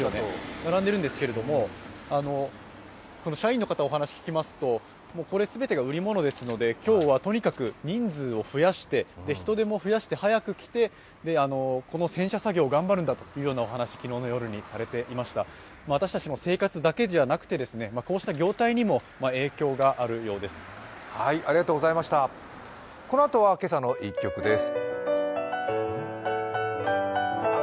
並んでるんですけれども社員の方にお話を聞きますと、全てが売り物ですので今日はとにかく人数を増やして人手も増やして早く来てこの洗車作業を頑張るんだというように昨日の夜にされていました私たちも生活だけではなくて函館の映像をご覧いただいています。